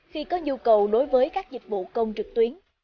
khi có nhu cầu đối với các dịch vụ công trực tuyến